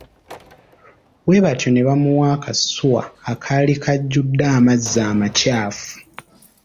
Bwe batyo ne bamuwa akasuwa akaali kajjude amazzi amakyafu.